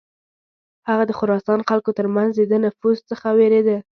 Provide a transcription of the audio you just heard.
هغه د خراسان خلکو تر منځ د ده نفوذ څخه ویرېده.